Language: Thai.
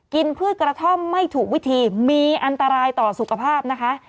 พืชกระท่อมไม่ถูกวิธีมีอันตรายต่อสุขภาพนะคะ